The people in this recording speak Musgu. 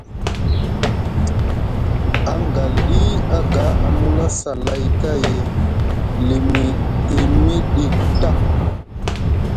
Angalɗi aga a mula saa lay kay limitimiɗi ta.